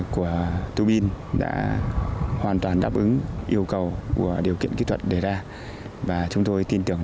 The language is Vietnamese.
của tu bin đã hoàn toàn đáp ứng yêu cầu của điều kiện kỹ thuật đề ra và chúng tôi tin tưởng